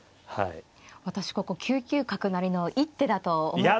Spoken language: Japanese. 私ここ９九角成の一手だと思っていた。